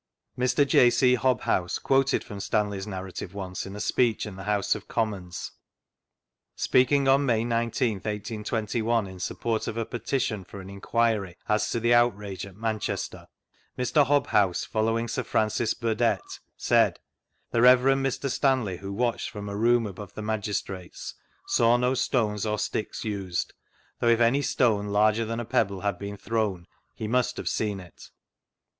Mr. J. C. Hobhouse quoted from Stanley's narrative once in a speech in the House of Commons. Speaking on May 19th, 1821, in support of a Petition for an enquiry as to the outrage at Manchester, Mr. Hobhouse, fol lowing Sir Francis Burdett, said: "The Rev. Mr. Stanley, who watched from a room above the magistrates, saw no stones or sticks used, though if any stone larger than a pebble had been thrown, he must have seen it."